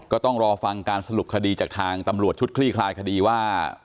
ก็ต้องรอฟังการสรุปคดีจากทางตำรวจชุดคลี่คลายคดีว่า